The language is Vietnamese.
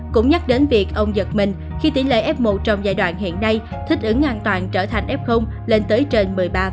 cũng nhắc đến việc ông giật mình khi tỷ lệ f một trong giai đoạn hiện nay thích ứng an toàn trở thành f lên tới trên một mươi ba